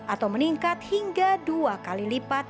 atau meningkat hingga dua kali lipat